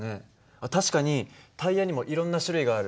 確かにタイヤにもいろんな種類がある。